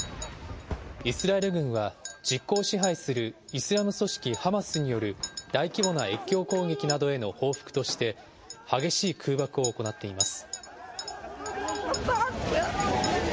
イスラエル軍は、実効支配するイスラム組織ハマスによる大規模な越境攻撃などへの報復として、激しい空爆を行っています。